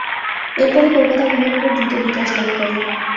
এরপরই কলকাতা মহানগর দ্রুত বিকাশ লাভ করে।